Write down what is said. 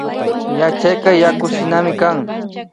Yachayka yakushinami kan